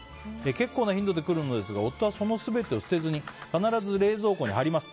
結構な頻度で来るのですが夫は、その全てを捨てずに必ず冷蔵庫に貼ります。